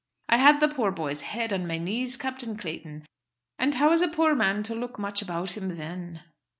"I had the poor boy's head on my knees, Captain Clayton; and how is a poor man to look much about him then?"